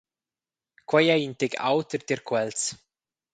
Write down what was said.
Quei ei in tec auter tier quels.